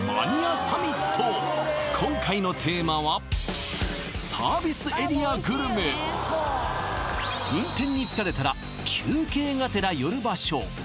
今回のテーマは運転に疲れたら休憩がてら寄る場所